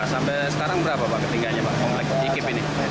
sampai sekarang berapa pak ketinggiannya komplek ikib ini